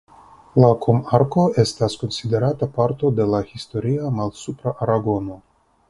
La komarko estas konsiderata parto de la Historia Malsupra Aragono.